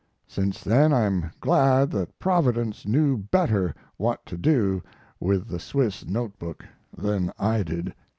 Since then I'm glad that Providence knew better what to do with the Swiss notebook than I did.